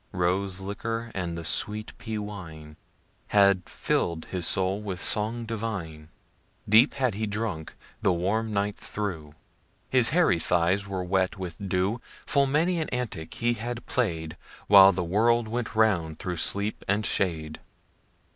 Rose liquor and the sweet pea wine Had fill' d his soul with song divine; Deep had he drunk the warm night through, His hairy thighs were wet with dew. Full many an antic he had play'd While the world went round through sleep and shade.